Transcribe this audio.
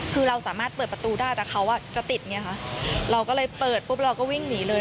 คือเราสามารถเปิดประตูได้แต่เขาอ่ะจะติดไงคะเราก็เลยเปิดปุ๊บเราก็วิ่งหนีเลย